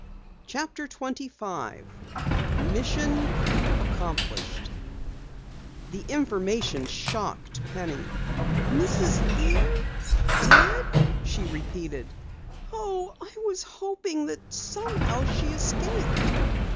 CHAPTER 25 MISSION ACCOMPLISHED The information shocked Penny. "Mrs. Lear dead," she repeated. "Oh, I was hoping that somehow she escaped."